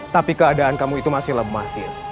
tapi keadaan kamu itu masih lemah sih